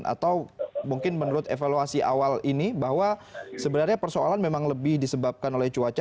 atau mungkin menurut evaluasi awal ini bahwa sebenarnya persoalan memang lebih disebabkan oleh cuaca